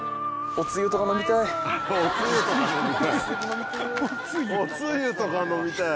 「おつゆとか飲みたい」。